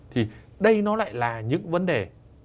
thì đây nó lại là những vấn đề